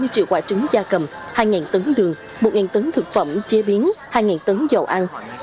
hai mươi triệu quả trứng da cầm hai tấn đường một tấn thực phẩm chế biến hai tấn dầu ăn